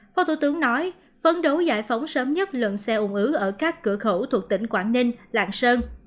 phó thủ tướng nói phấn đấu giải phóng sớm nhất lần xe u nứ ở các cửa khẩu thuộc tỉnh quảng ninh làng sơn